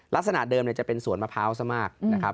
ลักษณะเดิมจะเป็นสวนมะพร้าวซะมากนะครับ